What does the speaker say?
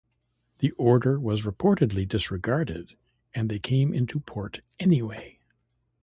The order was reportedly disregarded and they came into port anyway.